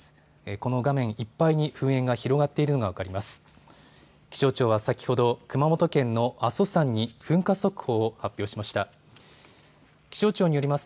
この画面いっぱいに噴煙が広がっているのが分かります。